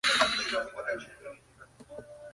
Bolus rindió tributo a sus recolecciones en el v.